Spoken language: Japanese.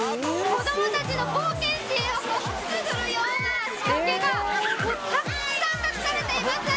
子供たちの冒険心をくすぐるような仕掛けがたくさん隠されています。